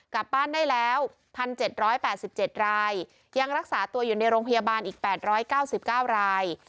กลับบ้านได้แล้วพันเจ็ดร้อยแปดสิบเจ็ดรายยังรักษาตัวอยู่ในโรงพยาบาลอีกแปดร้อยเก้าสิบเก้าราย